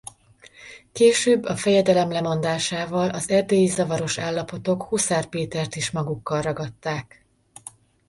Később a fejedelem lemondásával az erdélyi zavaros állapotok Huszár Pétert is magukkal ragadták.